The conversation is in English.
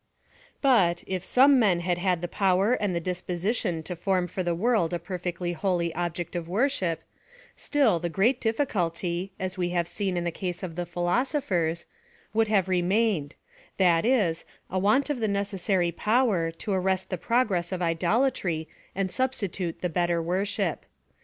But, if some men had had the power and the disposition to form for the world a perfectly holy object of worship, still the great difficulty, as we have seen in the case of the philosophers, would have remained, that is, a want of the necessary power, to arrest the progress of idolatry and suh stitute the better worship.